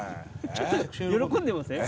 ちょっと喜んでません？